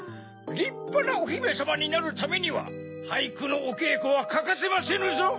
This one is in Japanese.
りっぱなおひめさまになるためにははいくのおけいこはかかせませぬぞ！